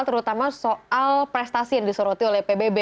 terutama soal prestasi yang disoroti oleh pbb